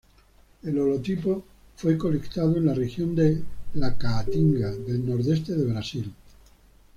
El holotipo fue colectado en la región de la Caatinga del nordeste de Brasil.